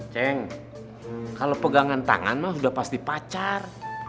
ceng kalau pegangan tangan mah sudah pasti pacar